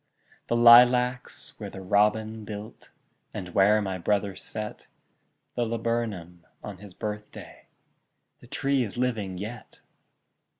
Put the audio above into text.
The lilacs where the robin built, And where my brother set The laburnum on his birthday, The tree is living yet!